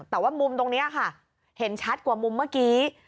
แต่ว่ามุมตรงนี้ค่ะเห็นชัดกว่ามุมเมื่อกี้